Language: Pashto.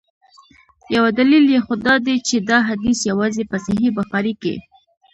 یو دلیل یې خو دا دی چي دا حدیث یوازي په صحیح بخاري کي.